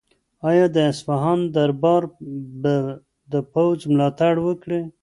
آیا د اصفهان دربار به د پوځ ملاتړ وکړي؟